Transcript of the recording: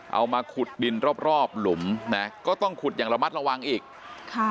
เอามาขุดดินรอบรอบหลุมนะก็ต้องขุดอย่างระมัดระวังอีกค่ะ